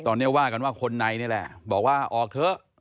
ตอนนี้ว่ากันว่าคนในนี่แหละบอกว่าออกเถอะ